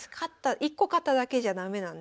１個勝っただけじゃ駄目なんですね。